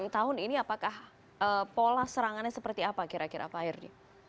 tahun ini apakah pola serangannya seperti apa kira kira pak herdi